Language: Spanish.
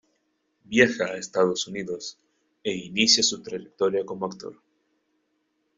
Viaja a Estados Unidos e inicia su trayectoria como actor.